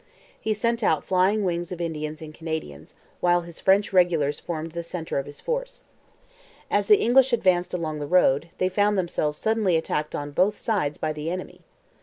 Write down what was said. He sent out flying wings of Indians and Canadians, while his French regulars formed the centre of his force. As the English advanced along the road, they found themselves suddenly attacked on both sides by the enemy.